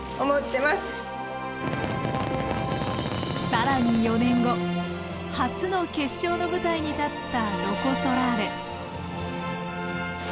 更に４年後初の決勝の舞台に立ったロコ・ソラーレ。